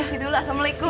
ayo dulu assalamualaikum